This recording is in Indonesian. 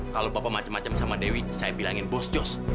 kalau bapak macam macam sama dewi saya bilangin bos jos